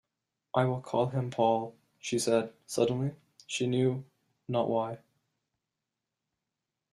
“I will call him Paul,” she said suddenly; she knew not why.